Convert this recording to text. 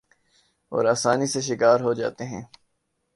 اور آسانی سے شکار ہو جاتے ہیں ۔